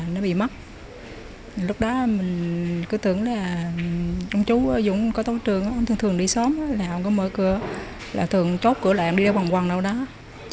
nó bị mất lúc đó mình cứ tưởng là chú dũng có tốt trường thường thường đi xóm là không có mở cửa là thường chốt cửa lại không đi ra vòng quần đâu đó